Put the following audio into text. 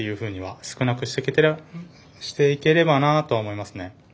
少なくしていければなとは思いますね。